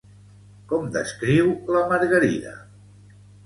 Com descriu la margarida?